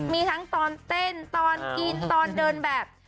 มีทั้งตอนเต้นตอนกินตอนเดินแบบ